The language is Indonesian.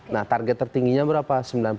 nah target tertingginya berapa sembilan puluh delapan